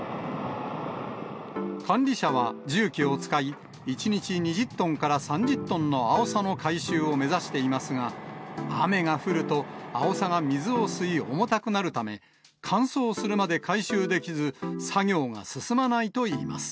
管理者は重機を使い、１日２０トンから３０トンのアオサの回収を目指していますが、雨が降ると、アオサが水を吸い、重たくなるため、乾燥するまで回収できず、作業が進まないといいます。